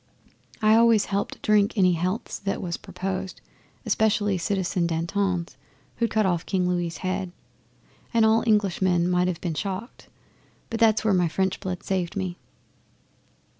I always helped drink any healths that was proposed specially Citizen Danton's who'd cut off King Louis' head. An all Englishman might have been shocked but that's where my French blood saved me.